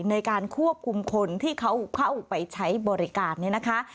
ในการควบคุมคนที่เขาเข้าไปใช้บริการนี้นะคะ